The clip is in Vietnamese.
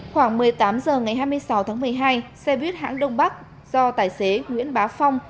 khoảng một mươi tám h ngày hai mươi sáu tháng một mươi hai xe buýt hãng đông bắc do tài xế nguyễn bá phong